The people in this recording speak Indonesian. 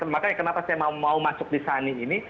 makanya kenapa saya mau masuk di sani ini